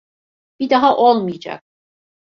Bir daha olmayacak.